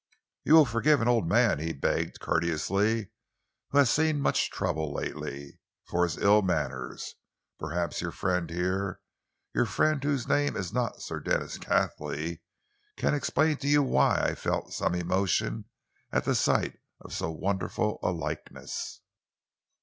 "You will forgive an old man," he begged courteously, "who has seen much trouble lately, for his ill manners. Perhaps your friend here, your friend whose name is not Sir Denis Cathley, can explain to you why I felt some emotion at the sight of so wonderful a likeness."